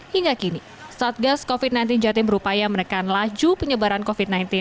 hingga kini satgas covid sembilan belas jatim berupaya menekan laju penyebaran covid sembilan belas